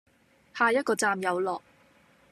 下一個站有落